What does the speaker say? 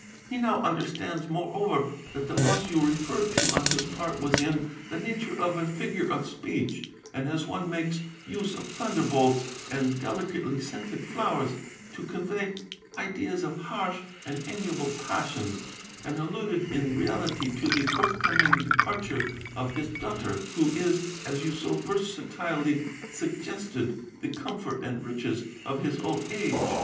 He now understands, moreover, that the loss you referred to on his part was in the nature of a figure of speech, as one makes use of thunderbolts and delicately scented flowers to convey ideas of harsh and amiable passions, and alluded in reality to the forthcoming departure of his daughter, who is, as you so versatilely suggested, the comfort and riches of his old age.